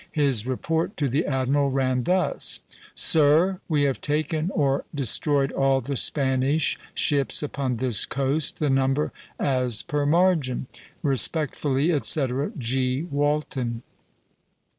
His report to the admiral ran thus: "SIR, We have taken or destroyed all the Spanish ships upon this coast, the number as per margin. Respectfully, etc., G. Walton."